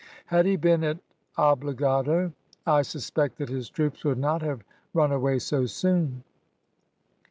Had he been at Obligado, I suspect that his troops would not have run away so soon.